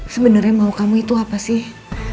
sebenarnya mau kamu itu apa sih